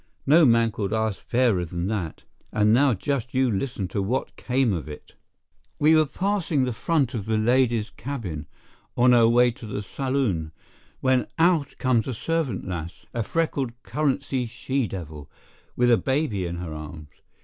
No man could ask fairer than that. And now just you listen to what came of it. We were passing the front of the ladies' cabin, on our way to the saloon, when out comes a servant lass—a freckled currency she devil—with a baby in her arms.